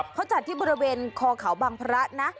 เขาจัดที่บริเวณคอเขาบางพระนะ